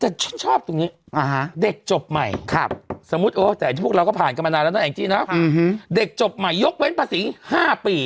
แต่ชื่นชอบตรงนี้เด็กจบใหม่สมมุติแต่พวกเราก็ผ่านกันมานานแล้วนะแองจี้นะเด็กจบใหม่ยกเว้นภาษี๕ปี